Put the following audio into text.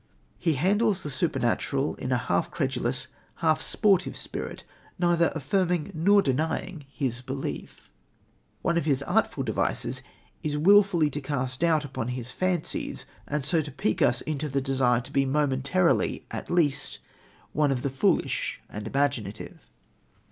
He handles the supernatural in a half credulous, half sportive spirit, neither affirming nor denying his belief. One of his artful devices is wilfully to cast doubt upon his fancies, and so to pique us into the desire to be momentarily at least one of the foolish and imaginative.